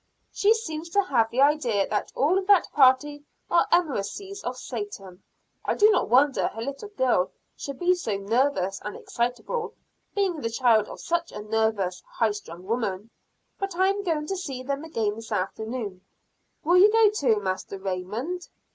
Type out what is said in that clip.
She seems to have the idea that all that party are emissaries of Satan. I do not wonder her little girl should be so nervous and excitable, being the child of such a nervous, high strung woman. But I am going to see them again this afternoon; will you go too, Master Raymond?'